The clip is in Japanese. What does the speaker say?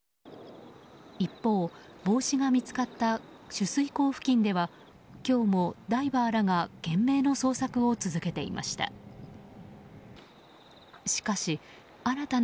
一方、帽子が見つかった取水口付近では今日も、ダイバーらが懸命の捜索を続けていました。